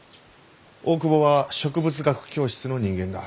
大窪は植物学教室の人間だ。